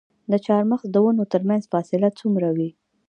د چهارمغز د ونو ترمنځ فاصله څومره وي؟